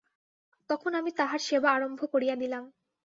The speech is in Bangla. তখন আমি তাঁহার সেবা আরম্ভ করিয়া দিলাম।